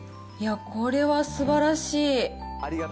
これはすばらしい。